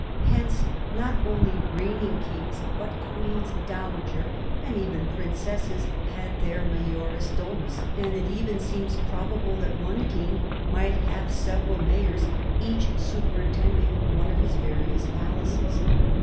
Hence not only reigning kings but queens dowager, and even princesses, had their inajores domus, and it even seems probable that one king might have several mayors, each superin tending one of his various palaces.